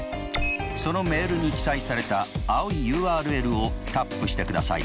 そのメールに記載された青いＵＲＬをタップしてください。